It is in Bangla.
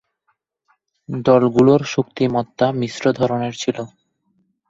দলগুলোর শক্তিমত্তা মিশ্র ধরনের ছিল।